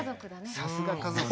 さすが家族。